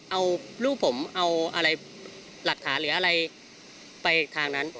เอาลูกผมเอาอะไรหลักฐานหรืออะไรไปทางนั้น